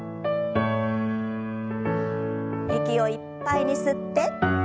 息をいっぱいに吸って。